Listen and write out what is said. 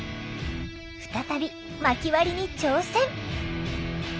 再びまき割りに挑戦！